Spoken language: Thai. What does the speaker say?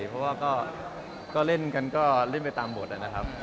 เพราะว่าก็เล่นกันก็เล่นไปตามบทนะครับ